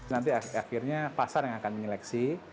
nanti akhirnya pasar yang akan menyeleksi